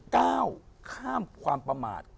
ก้าวข้ามความประมาท